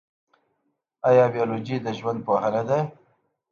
ایا بیولوژي د ژوند پوهنه ده؟